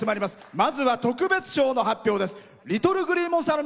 まずは特別賞の発表です。